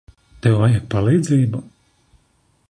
Tev vajag palīdzību.